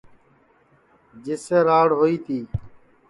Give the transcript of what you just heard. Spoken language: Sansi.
جس سے راڑ ہوئی تی